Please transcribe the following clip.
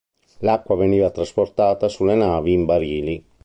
L'acqua veniva trasportata sulle navi in barili.